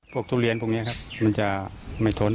ทุเรียนพวกนี้ครับมันจะไม่ทน